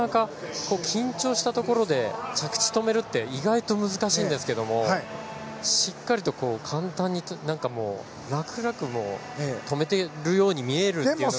なかなか緊張したところで着地を止めるって意外と難しいんですけれどもしっかりと簡単に楽々止めているように見えるというのが。